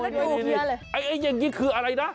เราก็วู้เยอะเลยอย่างนี้คืออะไรน่ะ